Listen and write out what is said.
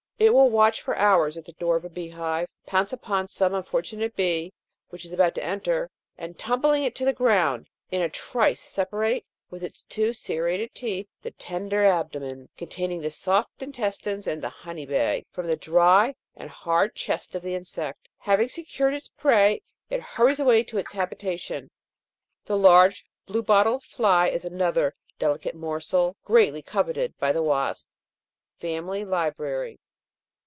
It will watch for hours at the door of a bee hive, pounce upon some unfortunate bee which is about to enter, and tumbling it to the ground, in a trice separate, with its two serrated teeth, the tender abdomen, containing the soft intestines and the honey bag, from the dry and hard chest of the insect ; having secured its prey, it hurries away to its habitation. The large blue bottle fly is another delicate morsel greatly coveted by the wasp." Family Library.